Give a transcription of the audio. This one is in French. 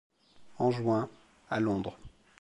En juin, à Londres.